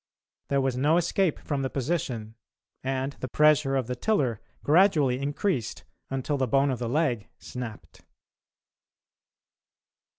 There was no escape from the position, and the pressure of the tiller gradually increased until the bone of the leg snapped.